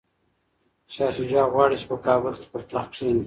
شاه شجاع غواړي چي په کابل کي پر تخت کښیني.